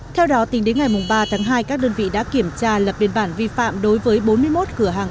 theo đó tính đến ngày ba tháng hai các đơn vị đã kiểm tra lập biên bản vi phạm đối với bốn mươi một cửa hàng